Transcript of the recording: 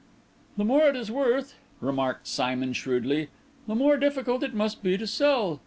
"The more it is worth," remarked Simon shrewdly, "the more difficult it must be to sell.